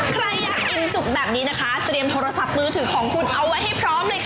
ใครอยากอิ่มจุกแบบนี้นะคะเตรียมโทรศัพท์มือถือของคุณเอาไว้ให้พร้อมเลยค่ะ